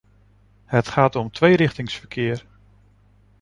Het gaat om tweerichtingsverkeer.